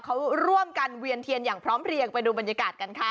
เขาร่วมกันเวียนเทียนอย่างพร้อมเพลียงไปดูบรรยากาศกันค่ะ